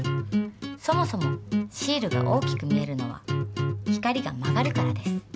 そもそもシールが大きく見えるのは光が曲がるからです。